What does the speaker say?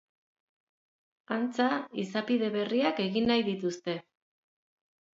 Antza, izapide berriak egin nahi dituzte.